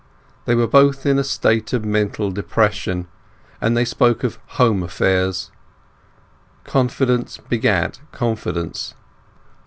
They were both in a state of mental depression, and they spoke of home affairs. Confidence begat confidence.